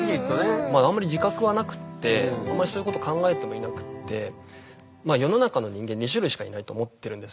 まああんまり自覚はなくってあんまりそういうこと考えてもいなくって世の中の人間２種類しかいないと思ってるんですよ。